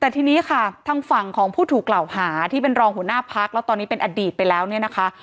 แต่ทีนี้ค่ะทางฝั่งของผู้ถูกกล่าวหาที่เป็นรองหัวหน้าพักแล้วตอนนี้เป็นอดีตไปแล้วเนี่ยนะคะ